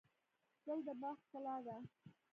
ګل د باغ ښکلا ده.